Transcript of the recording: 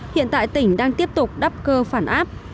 hiện tại tỉnh đang tiếp tục đắp cơ phản áp